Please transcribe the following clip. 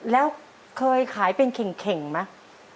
แล้วเคยขายเป็นเข่งเข่งมั้ย